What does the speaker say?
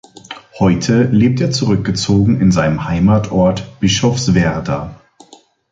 Heute lebt er zurückgezogen in seinem Heimatort Bischofswerda.